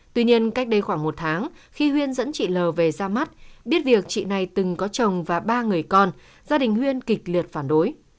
tuy nhiên cách đây khoảng một tháng khi huyên dẫn chị l về ra mắt biết việc chị này từng có chồng và ba người con gia đình huyên kịch liệt phản đối